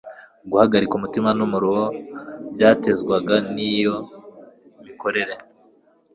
Guhagarika umutima numuruho byatezwaga niyo mikorere